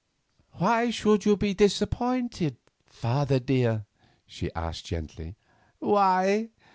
"Why should you be disappointed, father dear?" she asked gently. "Why?